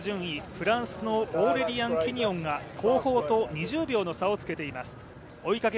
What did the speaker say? フランスのオーレリアン・キニオンが後方と２０秒の差をつけています。